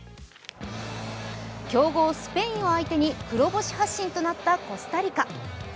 強豪・スペインを相手に黒星発進となったコスタリカ。